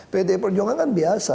pdi perjuangan kan biasa